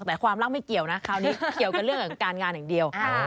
แต่ความรักไม่เกี่ยวนะคราวนี้เกี่ยวกับเรื่องของการงานอย่างเดียว